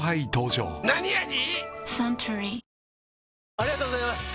ありがとうございます！